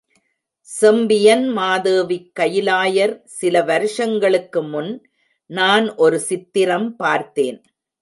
செம்பியன்மாதேவிக் கயிலாயர் சில வருஷங்களுக்கு முன் நான் ஒரு சித்திரம் பார்த்தேன்.